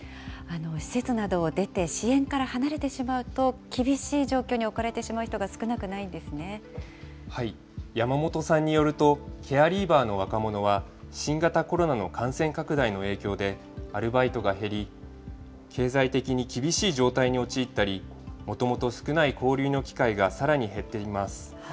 施設などを出て、支援から離れてしまうと、厳しい状況に置かれて山本さんによると、ケアリーバーの若者は新型コロナの感染拡大の影響で、アルバイトが減り、経済的に厳しい状態に陥ったり、もともと少ない交流の機会がさらに減っています。